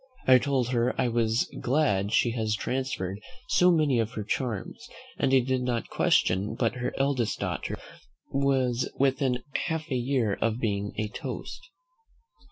I told her, "I was glad she had transferred so many of her charms, and I did not question but her eldest daughter was within half a year of being a Toast."